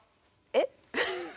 えっ？